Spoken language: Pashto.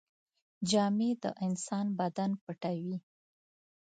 جامې د انسان بدن پټوي.